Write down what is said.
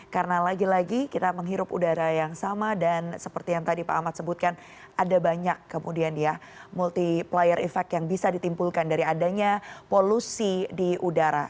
karena lagi lagi kita menghirup udara yang sama dan seperti yang tadi pak ahmad sebutkan ada banyak kemudian ya multiplier effect yang bisa ditimpulkan dari adanya polusi di udara